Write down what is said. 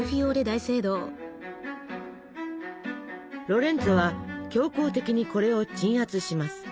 ロレンツォは強行的にこれを鎮圧します。